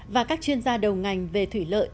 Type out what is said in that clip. và các chuyên gia đầu ngành về thủy lợi